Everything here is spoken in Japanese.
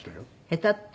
下手って？